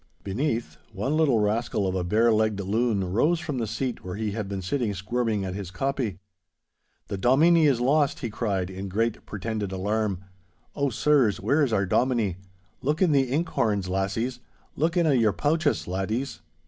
Beneath, one little rascal of a bare legged loon rose from the seat where he had been sitting squirming at his copy. 'The Dominie is lost!' he cried in great pretended alarm. 'Oh, sirs, where is our Dominie? Look in the ink horns, lassies. Look in a' your pouches, laddies!